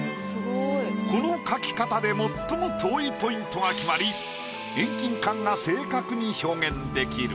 この描き方で最も遠いポイントが決まり遠近感が正確に表現できる。